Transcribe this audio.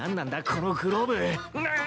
このグローブ。